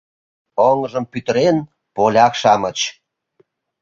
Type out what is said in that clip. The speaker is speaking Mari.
Оҥжым пӱтырен, поляк-шамыч